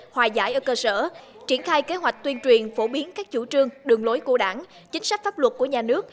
hòa giải ở cơ sở triển khai kế hoạch tuyên truyền phổ biến các chủ trương đường lối của đảng chính sách pháp luật của nhà nước